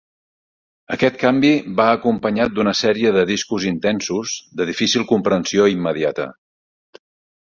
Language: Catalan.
Aquest canvi va acompanyat d'una sèrie de discos intensos, de difícil comprensió immediata.